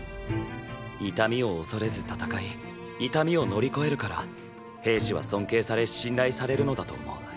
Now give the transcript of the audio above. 痛みを恐れず戦い痛みを乗り越えるから兵士は尊敬され信頼されるのだと思う。